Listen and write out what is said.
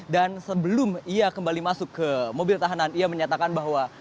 dan sebelum ia kembali masuk ke mobil tahanan ia menyatakan bahwa